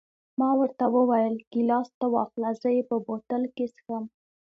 ما ورته وویل: ګیلاس ته واخله، زه یې په بوتل کې څښم.